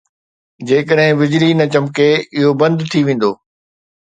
جيڪڏهن بجلي نه چمڪي، اهو بند ٿي ويندو.